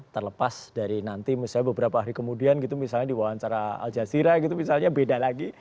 terlepas dari nanti misalnya beberapa hari kemudian gitu misalnya di wawancara al jazeera gitu misalnya beda lagi